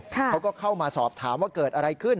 เขาก็เข้ามาสอบถามว่าเกิดอะไรขึ้น